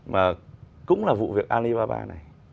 mà cũng là vụ việc alibaba này